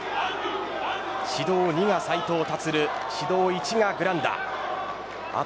指導２が斉藤立指導１がグランダです。